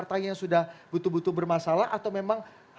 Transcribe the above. apakah jakarta ini sudah butuh butuh bermasalah atau memang